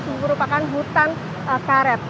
sebuah merupakan hutan karet